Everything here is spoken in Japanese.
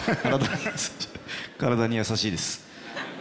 体に優しいです。